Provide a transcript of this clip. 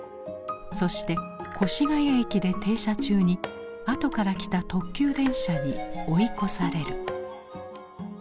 そして越谷駅で停車中にあとから来た特急電車に追い越される。